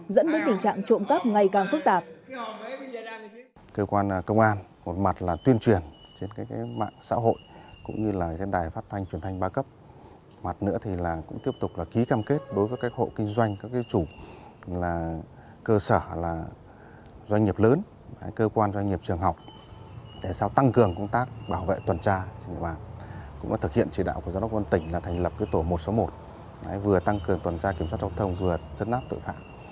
dẫn đến tình trạng trộm cắp ngày càng phức tạp